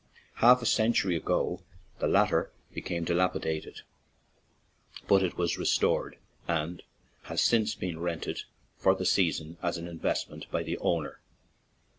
Half a century ago the latter became dilapidated, but it was re stored and has ever since been rented "for the season/' as an investment by the owner.